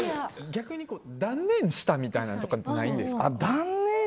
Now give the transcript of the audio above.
逆に断念したみたいなのってないんですか？